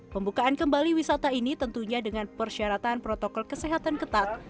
pembukaan kembali wisata ini tentunya dengan persyaratan protokol kesehatan ketat